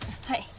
はい。